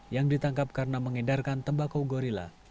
yang ditangkap karena mengedarkan tembakau gorila